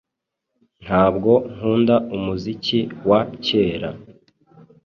Ntabwo nkunda umuziki wa kera.